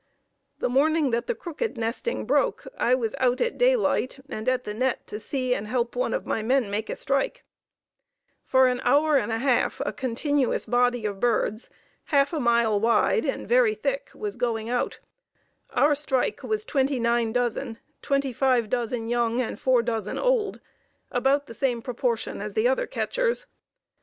The morning that the Crooked nesting broke, I was out at daylight, and at the net to see and help one of my men make a strike; for an hour and a half a continuous body of birds half a mile wide and very thick was going out; our strike was twenty nine dozen, twenty five dozen young and four dozen old, about the same proportion as the other catchers.